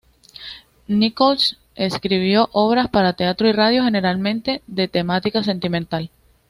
Nichols escribió obras para teatro y radio, generalmente de temática sentimental.